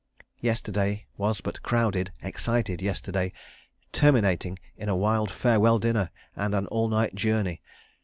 Yesterday was but crowded, excited yesterday, terminating in a wild farewell dinner and an all night journey.